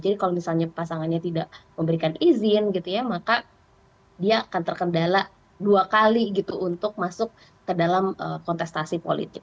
jadi kalau misalnya pasangannya tidak memberikan izin gitu ya maka dia akan terkendala dua kali gitu untuk masuk ke dalam kontestasi politik